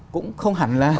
cũng không hẳn là